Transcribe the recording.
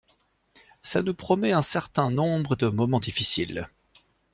Ҫa nous promet un certain nombre de moments difficiles.